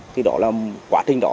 thì đó là quá trình đó